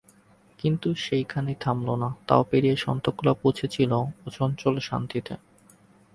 কিন্তু সেইখানেই থামল না, তাও পেরিয়ে শকুন্তলা পৌঁচেছিল অচঞ্চল শান্তিতে।